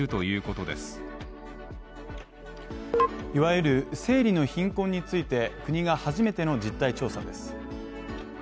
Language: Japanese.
いわゆる生理の貧困について国が初めての実態調査です。